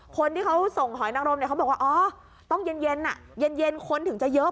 คนที่เขาส่งหอยนังรมเขาบอกว่าต้องเย็นคนถึงจะเยอะ